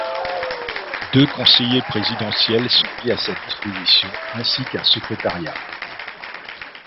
Deux conseillers présidentiels sont mis à sa disposition ainsi qu'un secrétariat.